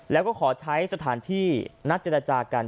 แล้วก็ขอใช้สถานที่นัดเจรจากัน